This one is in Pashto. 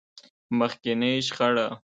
مخکينۍ شخړه.